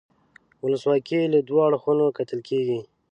ولسواکي له دوو اړخونو کتل کیږي.